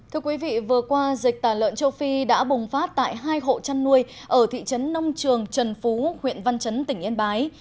thưa quý vị vừa qua dịch tả lợn châu phi đã bùng phát tại hai hộ chăn nuôi ở thị trấn nông trường trần phú huyện văn chấn tỉnh yên bái